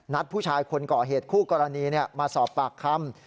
ผู้ชายคนก่อเหตุคู่กรณีมาสอบปากคำ